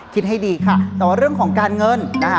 คิดให้ดีค่ะแต่ว่าเรื่องของการเงินนะคะ